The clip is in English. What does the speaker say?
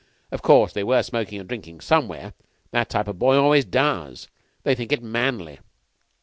Of course they were smoking and drinking somewhere. That type of boy always does. They think it manly."